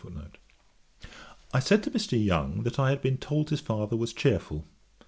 I said to Mr. Young, that I had been told his father was cheerful.